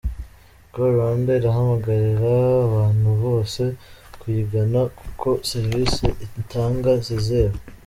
Call Rwanda irahamagarira abantu bose kuyigana kuko serivisi itanga zizewe.